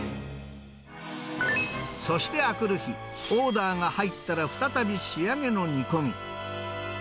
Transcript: そしてあくる日、オーダーが入ったら再び仕上げの煮込み。